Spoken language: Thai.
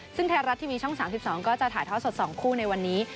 ซึ่งไทยรัฐทีวีช่อง๓๒ก็จะถ่ายทอดสด๒คู่ในวันนี้